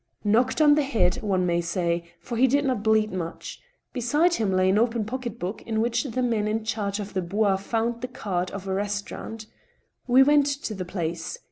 " Knocked on the head, one may say, for he did not bleed much. Beside him lay an open pocket book, in which the men in charge of the Bois found the card of a restaurant. We went to the plaice.